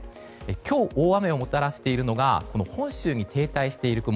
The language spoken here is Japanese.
今日、大雨をもたらしているのが本州に停滞している雲。